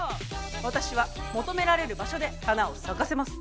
私は求められる場所で花を咲かせます。